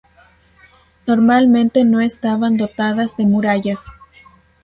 Normalmente no estaban dotadas de murallas.